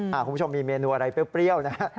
คุณผู้ชมมีเมนูอะไรเปรี้ยวนะฮะ